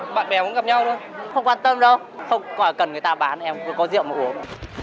bạn bè cũng gặp nhau thôi không quan tâm đâu không phải cần người ta bán em có rượu mà uống